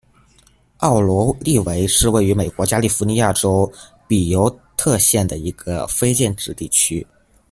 奥罗利维是位于美国加利福尼亚州比尤特县的一个非建制地区。